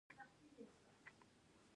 افغانانو ته ځي له دې ځایه مړینه